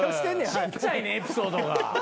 ちっちゃいねんエピソードが。